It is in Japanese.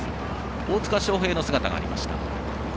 大塚祥平の姿がありました。